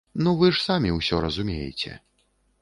Ну вы ж самі ўсё разумееце.